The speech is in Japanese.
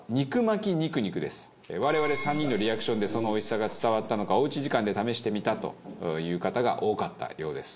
我々３人のリアクションでそのおいしさが伝わったのかおうち時間で試してみたという方が多かったようです。